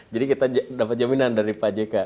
jadi kita dapat jaminan dari pak jk